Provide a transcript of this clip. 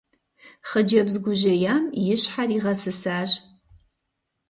Хъыджэбз гужьеям и щхьэр игъэсысащ.